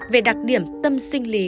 về đặc điểm tâm sinh lý